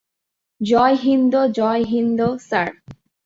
জয় হিন্দ জয় হিন্দ, স্যার।